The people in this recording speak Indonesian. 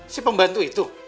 si pembantu itu